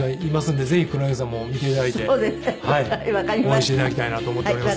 応援して頂きたいなと思っております。